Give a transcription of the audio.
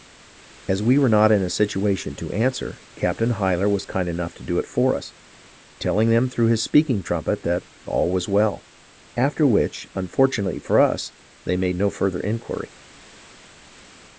As we were not in a situation to answer, Captain Hyler was kind enough to do it for us ; telling them through his speaking trumpet that all was well. After which, unfortunately for us, they made no further inquiry."